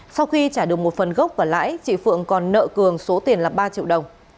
sau khi trả được một phần gốc và lãi chị phượng còn nợ cường số tiền là ba triệu đồng